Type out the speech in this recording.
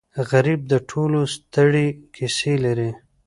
غریب د ټولو ستړې کیسې لري